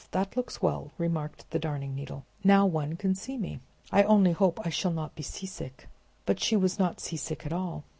that looks well," remarked the Darning Needle. "Now one can see me. I only hope I shall not be seasick!" But she was not seasick at all.